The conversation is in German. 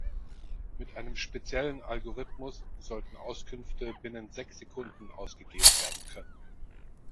Mit einem speziellen Algorithmus sollten Auskünfte binnen sechs Sekunden ausgegeben werden können.